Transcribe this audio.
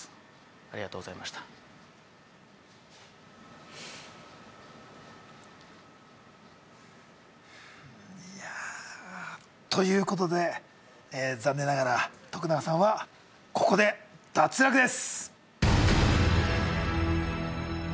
ありがとうございましたいやーということで残念ながら徳永さんはここで脱落です